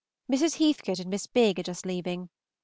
Mrs. Heathcote and Miss Bigg are just leaving.